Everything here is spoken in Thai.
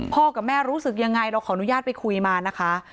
กับแม่รู้สึกยังไงเราขออนุญาตไปคุยมานะคะ